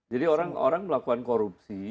jadi orang melakukan korupsi